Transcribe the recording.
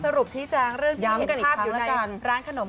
สรุปชิคกี้พายเริ่มเห็นภาพอยู่ในร้านขนมกันหน่อย